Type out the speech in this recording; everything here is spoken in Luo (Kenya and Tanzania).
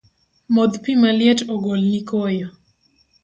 Modh pi maliet ogolni koyo